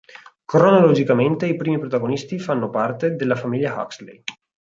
Cronologicamente i primi protagonisti fanno parte della famiglia Huxley.